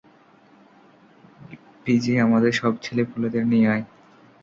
গিযে আমাদের সব ছেলেপুলেদের নিয়ে আয়।